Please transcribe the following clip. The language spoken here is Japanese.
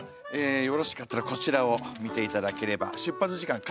よろしかったらこちらを見て頂ければ出発時間書いてありますので。